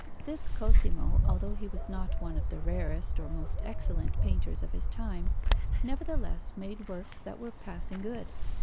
This Cosimo, although he was not one of the rarest or most excellent painters of his time, nevertheless made works that were passing good.